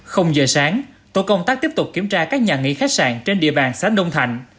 không giờ sáng tổ công tác tiếp tục kiểm tra các nhà nghỉ khách sạn trên địa bàn xã đông thạnh